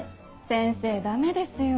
先生ダメですよ